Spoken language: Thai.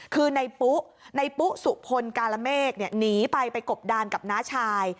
คือในปุ๊ในปุ๊สุพลกาลเมฆหนีไปไปกบดานกับน้าชาย